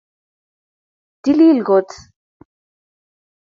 Tilil koot